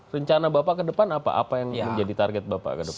rencana bapak ke depan apa apa yang menjadi target bapak ke depan